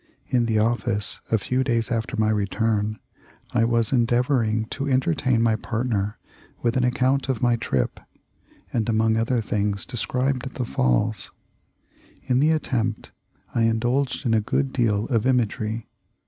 In the office, a few days after my return, I was endeavoring to entertain my partner with an account of my trip, and among other things described the Falls. In the attempt I indulged in a good deal of imagery.